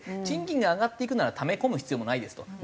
賃金が上がっていくならため込む必要もないですと。